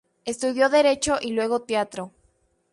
Estudió derecho y luego teatro.